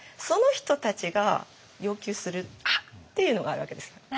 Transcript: その人たちが要求するっていうのがあるわけですよ。